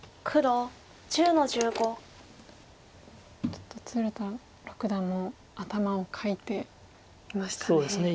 ちょっと鶴田六段も頭をかいていましたね。